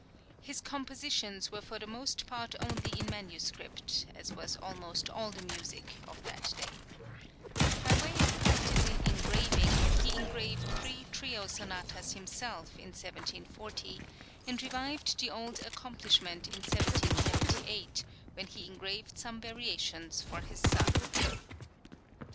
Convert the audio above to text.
[10014] is compositions were for the most part only in manuscript, as was almost all the music of that day.[10015] By way of practice in engraving, he engraved three trio sonatas himself in 1740, and revived the old accomplishment in 1778, when he engraved some variations for his son.